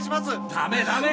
ダメダメ！